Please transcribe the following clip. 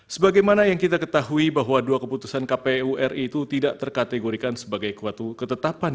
sebagaimana yang kita ketahui bahwa dua keputusan kpu ri itu tidak terkategorikan sebagai suatu ketetapan